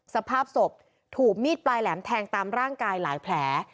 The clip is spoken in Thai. สภาพศพถูกมีดปลายแหลมแทงตามร่างกายหลายแผล